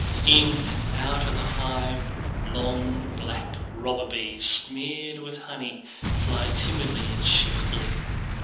In and out of the hive long black robber bees smeared with honey fly timidly and shiftily.